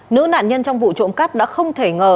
nữ nạn nhân trong vụ trộm cắp đã không thể ngờ